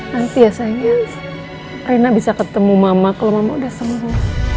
nanti ya sayangnya reina bisa ketemu mama kalau mau udah semua